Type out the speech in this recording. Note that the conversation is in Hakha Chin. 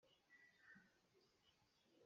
Sui cu thil sunglawi a si.